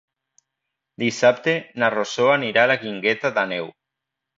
Dissabte na Rosó anirà a la Guingueta d'Àneu.